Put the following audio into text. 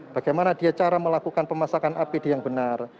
bagaimana dia cara melakukan pemasakan apd yang benar